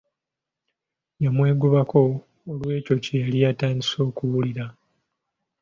Yamwegobako olw'ekyo kye yali atandise okuwulira.